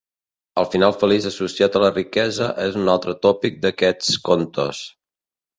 El final feliç associat a la riquesa és un altre tòpic d'aquests contes.